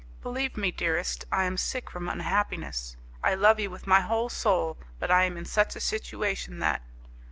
"Believe me, dearest, I am sick from unhappiness. I love you with my whole soul, but I am in such a situation that...."